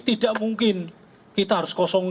tidak mungkin kita harus kosong